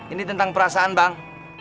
ini tentang perasaan bang